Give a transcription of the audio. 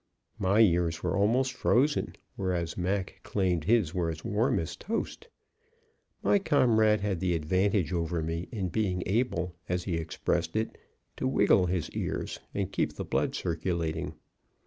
My ears were almost frozen; whereas Mac claimed his were as warm as toast. My comrade had the advantage over me in being able, as he expressed it, to wiggle his ears and keep the blood circulating.